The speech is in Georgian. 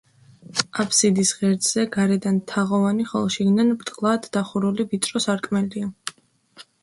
აბსიდის ღერძზე გარედან თაღოვანი, ხოლო შიგნით ბრტყლად გადახურული ვიწრო სარკმელია.